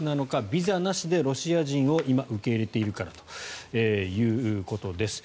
ビザなしでロシア人を今、受け入れているからということです。